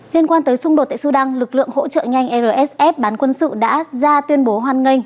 liên quan tới xung đột tại sudan lực lượng hỗ trợ nhanh rsf bán quân sự đã ra tuyên bố hoan nghênh